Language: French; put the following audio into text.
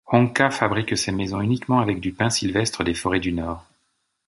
Honka fabrique ses maisons uniquement avec du pin sylvestre des forêts du Nord.